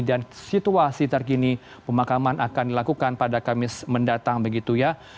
dan situasi terkini pemakaman akan dilakukan pada kamis mendatang begitu ya